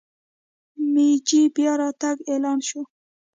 مېجي بیا راتګ اعلان شو.